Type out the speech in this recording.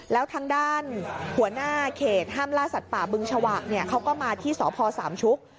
แล้วทางด้านหัวหน้าเขตห้ามล่าสัตว์ป่าบึงชวากเขาก็มาที่สพสามชุก